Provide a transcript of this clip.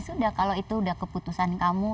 sudah kalau itu udah keputusan kamu